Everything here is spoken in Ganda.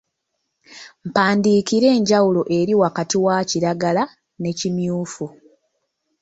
Mpandiikira enjawulo eri wakati wa kiragala ne kimyufu.